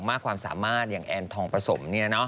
มากความสามารถอย่างแอนทองประสมเนี่ยเนาะ